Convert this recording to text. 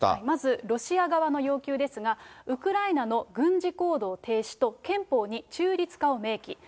まず、ロシア側の要求ですが、ウクライナの軍事行動停止と、憲法に中立化を明記。